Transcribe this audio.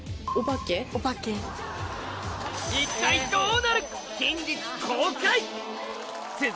一体どうなる？